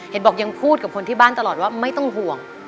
เห็นบอกยังพูดกับคนที่บ้านตลอดว่าไม่ต้องห่วง